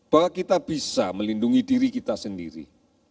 bahwa kita bisa melindungi diri kita sendiri